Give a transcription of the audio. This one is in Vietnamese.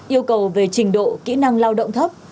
yêu cầu về trình độ kỹ năng lao động thấp